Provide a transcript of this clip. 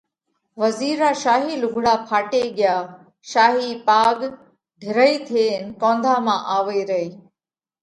وزِير را شاهِي لُوگھڙا ڦاٽي ڳيا، شاهِي پاڳ ڍِرئِي ٿينَ ڪونڌا مانه آوئِي رئِي۔